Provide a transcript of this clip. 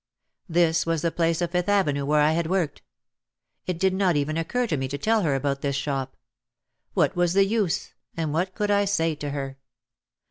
This was the place on Fifth Avenue where I had worked. It did not even occur to me to tell her about this shop. What was the use and what could I say to her?